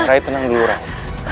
rai tenang dulu rai